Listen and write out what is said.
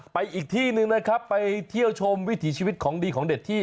อีกที่หนึ่งนะครับไปเที่ยวชมวิถีชีวิตของดีของเด็ดที่